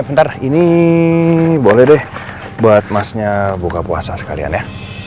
bentar ini boleh deh buat masnya buka puasa sekalian ya